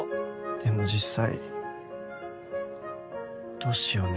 でも実際どうしようね？